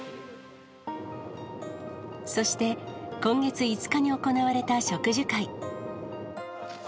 そして、今月５日に行われた植樹会。